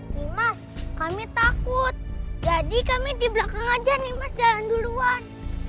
dimas kami takut jadi kami di belakang aja nih mas jalan duluan